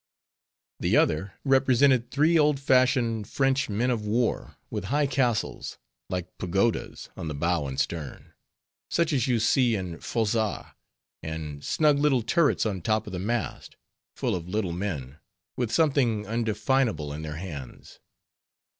The other represented three old fashioned French men of war with high castles, like pagodas, on the bow and stern, such as you see in Froissart; and snug little turrets on top of the mast, full of little men, with something undefinable in their hands.